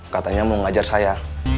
katanya mau ngajar saya